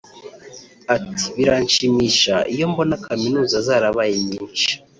Ati “biranshimisha iyo mbona Kaminuza zarabaye nyinshi